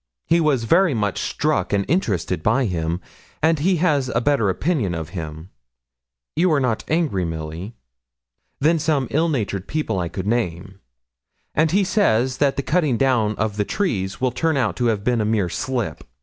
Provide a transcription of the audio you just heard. He was very much struck and interested by him, and he has a better opinion of him you are not angry, Milly than some ill natured people I could name; and he says that the cutting down of the trees will turn out to have been a mere slip.